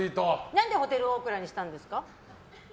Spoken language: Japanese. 何でホテルオークラにしたんですか？